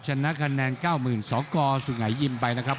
ชนะคะแนน๙๐๐สกสุงัยยิมไปนะครับ